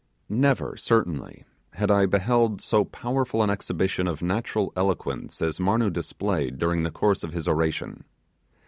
Never, certainly, had I beheld so powerful an exhibition of natural eloquence as Marnoo displayed during the course of his oration.